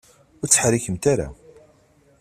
Ur ttḥerrikemt ara!